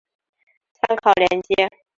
参考连结